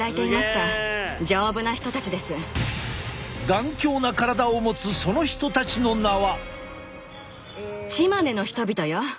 頑強な体を持つその人たちの名は。